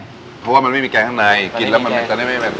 เพราะว่ามันไม่มีแกงข้างในกินแล้วมันจะได้ไม่แบบ